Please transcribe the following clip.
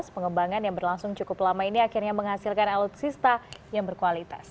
pengembangan yang berlangsung cukup lama ini akhirnya menghasilkan alutsista yang berkualitas